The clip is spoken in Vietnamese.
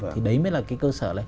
thì đấy mới là cái cơ sở